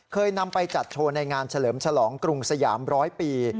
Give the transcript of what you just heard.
เคยนำไปจัดโชว์ในงานเฉลิมฉลองกรุงสยามร้อยปี